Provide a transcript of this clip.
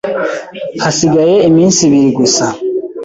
Hasigaye iminsi ibiri gusa.